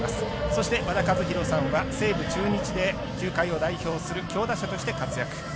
そして、和田一浩さんは西武、中日で球界を代表する強打者として活躍。